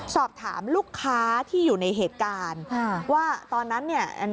สอบถามลูกค้าที่อยู่ในเหตุการณ์ว่าตอนนั้นเนี่ย